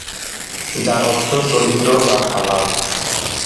যার অর্থ চরিত্র বা স্বভাব।